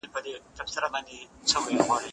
زه مخکي د ښوونځی لپاره تياری کړی وو!.